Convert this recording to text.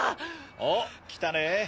おっ来たね。